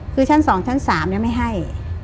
คือชั้น๒ชั้น๓ไม่ให้